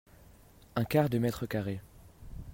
Un quart de mètre-carré.